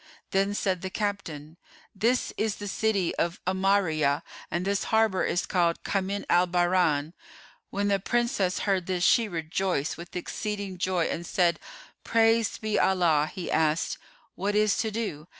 Then said the captain, "This is the city of 'Amáriyah and this harbour is called Kamín al Bahrayn."[FN#429] When the Princess heard this she rejoiced with exceeding joy and said, "Praised be Allah!" He asked, "What is to do?"